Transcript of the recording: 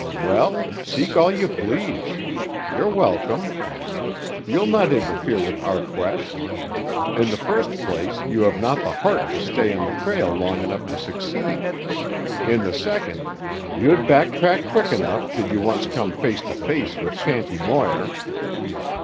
Well, seek all you please. You're welcome. You'll not interfere with our quest. In the first place, you have not the heart to stay on the trail long enough to succeed; in the second, you'd back track quick enough did you once come face to face with Shanty Moir."